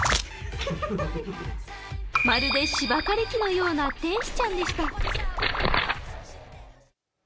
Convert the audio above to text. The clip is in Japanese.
まるで芝刈り機のような天使ちゃんでした。